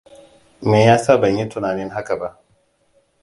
Me ya sa ban yi tunanin haka ba?